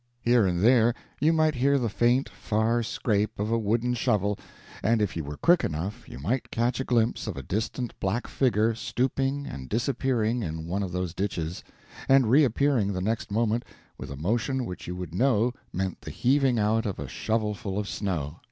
Here and there you might hear the faint, far scrape of a wooden shovel, and if you were quick enough you might catch a glimpse of a distant black figure stooping and disappearing in one of those ditches, and reappearing the next moment with a motion which you would know meant the heaving out of a shovelful of snow.